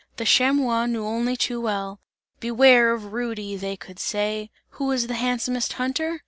The chamois knew only too well: "Beware of Rudy!" they could say. Who is the handsomest hunter?